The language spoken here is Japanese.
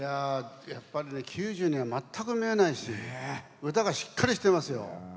やっぱり９０には全く見えないし歌がしっかりしてますよ。